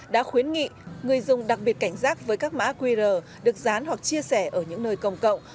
đã khuyến nghị người dùng đặc biệt cảnh giác với các mã qr được dán hoặc chia sẻ ở những nơi công cộng